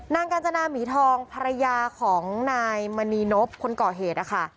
กาญจนาหมีทองภรรยาของนายมณีนบคนก่อเหตุนะคะ